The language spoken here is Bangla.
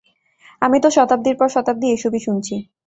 আমি তো শতাব্দীর পর শতাব্দী এসবই শুনছি।